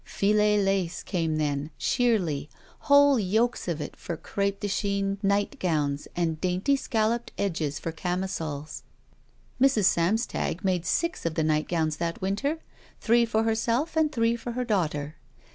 Filet lace came then, sheerly, whole yokes of it for cr&pe de Chine nightgowns and dainty scalloped edges for camisoles. Mrs. Samstag made six of the nightgowns that winter — three for herself and three for her daughter.